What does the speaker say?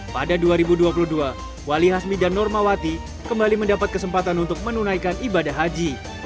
pada dua ribu dua puluh dua wali hasmi dan normawati kembali mendapat kesempatan untuk menunaikan ibadah haji